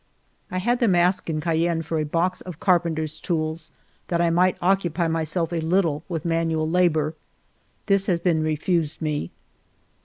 I had them ask in Cayenne for a box of car penter's tools that I might occupy myself a little with manual labor. This has been refused me.